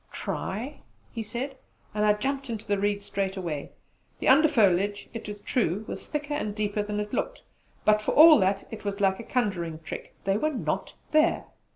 "Try!" he said, and I jumped into the reeds straight away. The under foliage, it is true, was thicker and deeper that it had looked; but for all that it was like a conjuring trick they were not there!